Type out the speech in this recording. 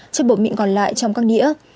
chất bột mịn còn lại trong các đĩa